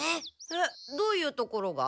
えっどういうところが？